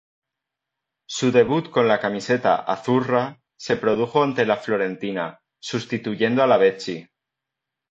Su debut con la camiseta "azzurra" se produjo ante la Fiorentina, sustituyendo a Lavezzi.